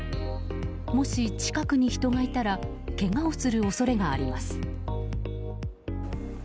もし、近くに人がいたらけがをする恐れがあります。